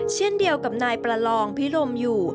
เช่นเดียวกับนายประลองพิรมอยู่